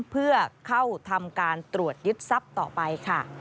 เพื่อเข้าทำการตรวจยึดทรัพย์ต่อไปค่ะ